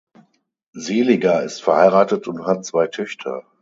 Seliger ist verheiratet und hat zwei Töchter.